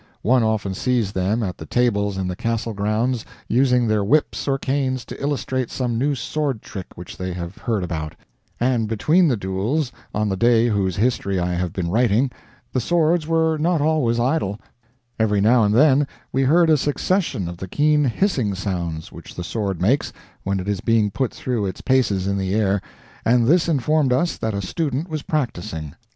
One often sees them, at the tables in the Castle grounds, using their whips or canes to illustrate some new sword trick which they have heard about; and between the duels, on the day whose history I have been writing, the swords were not always idle; every now and then we heard a succession of the keen hissing sounds which the sword makes when it is being put through its paces in the air, and this informed us that a student was practicing.